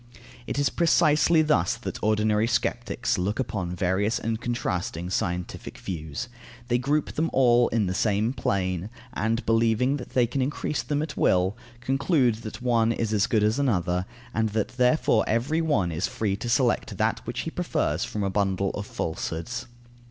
It is precisely thus that ordinary sceptics look upon various and contrasting scientific views. They group them all in the same plane, and believing that they can increase them at will, conclude that one is as good as another, and that therefore every one is free to select that which he prefers from a bundle of falsehoods.